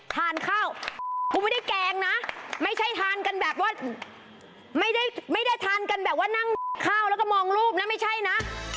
ทานข้าวคุณไม่ได้แกงนะไม่ใช่ทานกันแบบว่าไม่ได้ทานกันแบบว่านั่งข้าวแล้วก็มองรูปนะไม่ใช่นะ